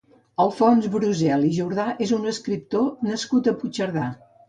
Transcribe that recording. Alfons Brosel i Jordà és un escriptor nascut a Puigcerdà.